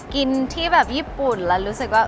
ที่แบบญี่ปุ่นแล้วรู้สึกว่า